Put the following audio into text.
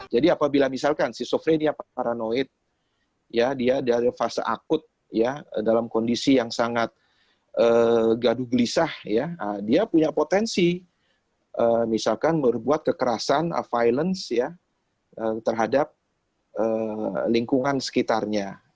jadi apabila misalkan si sofrenia paranoid dia dari fase akut dalam kondisi yang sangat gadu gelisah dia punya potensi misalkan membuat kekerasan violence terhadap lingkungan sekitarnya